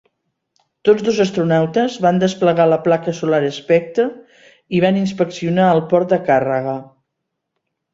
Tots dos astronautes van desplegar la placa solar "Spektr" i van inspeccionar el port de càrrega.